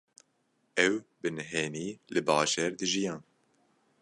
Ew bi nihênî li bajêr dijiyan.